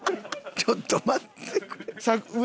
ちょっと待ってくれ。